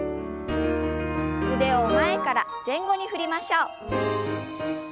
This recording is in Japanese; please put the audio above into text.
腕を前から前後に振りましょう。